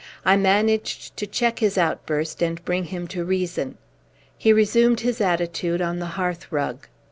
I managed to check his outburst and bring him to reason. He resumed his attitude on the hearthrug.